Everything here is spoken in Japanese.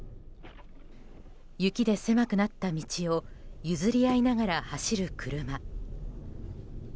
雪で狭くなった道を譲り合いながら走る車。